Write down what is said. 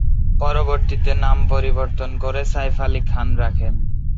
পরবর্তীতে নাম পরিবর্তন করে সাইফ আলী খান রাখেন।